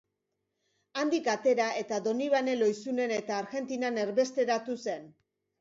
Handik atera eta Donibane Lohizunen eta Argentinan erbesteratu zen.